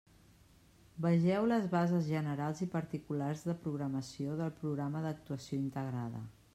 Vegeu les bases generals i particulars de programació del programa d'actuació integrada.